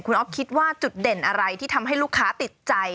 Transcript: คุณอ๊อฟคิดว่าจุดเด่นอะไรที่ทำให้ลูกค้าติดใจ